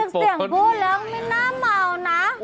โอ้โฮนี่ฟังจากเสียงพูดแล้วไม่น่าเหมานะ